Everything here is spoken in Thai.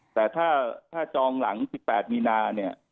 แต่ถ้าจองหลัง๑๘มีนา